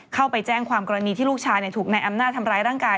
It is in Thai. เข้าไปแจ้งความกรณีที่ลูกชายถูกนายอำนาจทำร้ายร่างกาย